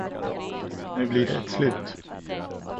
Nu blir det ett slut.